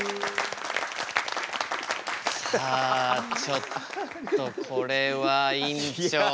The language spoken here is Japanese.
さあちょっとこれは院長。